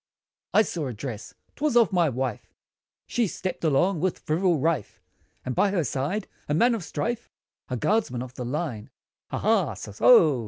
] I saw a dress! 'twas of my wife, She stepped along with frivol rife, And by her side, a man of strife A guardsman of the line. Ha ha!